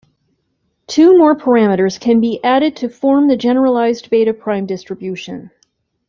Two more parameters can be added to form the generalized beta prime distribution.